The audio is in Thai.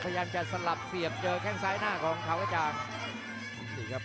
พยายามจะสลับเสียบเจอแข้งซ้ายหน้าของทางอาจารย์